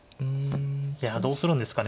いやどうするんですかね。